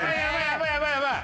やばいやばいやばい！